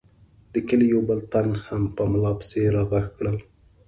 د کلي یو بل تن هم په ملا پسې را غږ کړل.